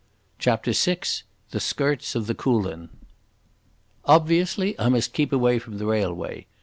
CHAPTER VI The Skirts of the Coolin Obviously I must keep away from the railway.